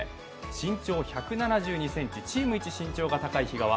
身長１７２ｃｍ、チーム一、身長が高い比嘉は